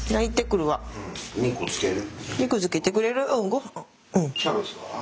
肉つける？